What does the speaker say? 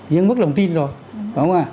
dân mất lòng tin rồi phải không ạ